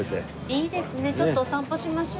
いいですね。